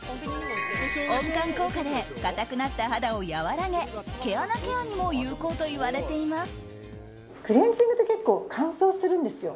温感効果で硬くなった肌を和らげ毛穴ケアにも有効といわれています。